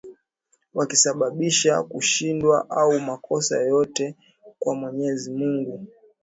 wakisababisha kushindwa au makosa yoyote kwa Mwenyezi Mungu